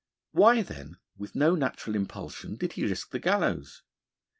Why, then, with no natural impulsion, did he risk the gallows?